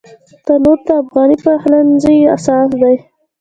تنور د افغاني پخلنځي اساس دی